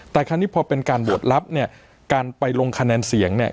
แต่คราวนี้พอเป็นการโหวตรับเนี่ยการไปลงคะแนนเสียงเนี่ย